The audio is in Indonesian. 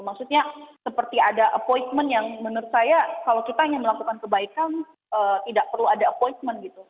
maksudnya seperti ada appointment yang menurut saya kalau kita hanya melakukan kebaikan tidak perlu ada appointment gitu